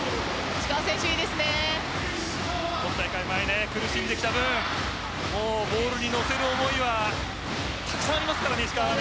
今大会前、苦しんできた分ボールにのせる思いはたくさんありますからね石川は。